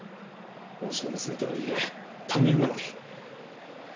恩師の娘とはいえ他人なのに。